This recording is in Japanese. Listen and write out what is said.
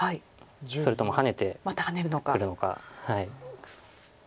それともハネてくるのか。